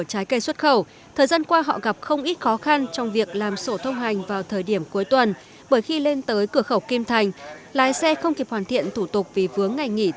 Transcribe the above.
trái cây xuất khẩu thời gian qua họ gặp không ít khó khăn trong việc làm sổ thông hành vào thời điểm cuối tuần